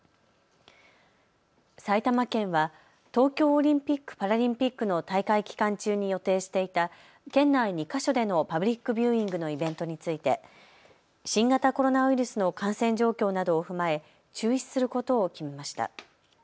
埼玉県は東京オリンピック・パラリンピックの大会期間中に予定していた県内２か所でのパブリックビューイングのイベントについて新型コロナウイルスの感染状況などを踏まえ注意することを決めました。